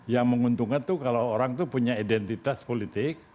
yang menguntungkan tuh kalo orang tuh punya identitas politik